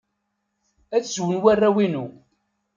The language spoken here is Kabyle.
Ad swen warraw-inu.